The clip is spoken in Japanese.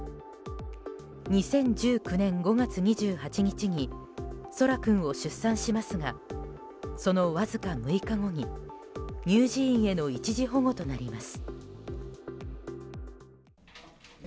２０１９年５月２８日に空来君を出産しますがそのわずか６日後に乳児院への一時保護となります。